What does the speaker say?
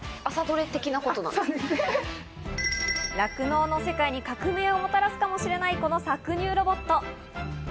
酪農の世界に革命をもたらすかもしれない、この搾乳ロボット。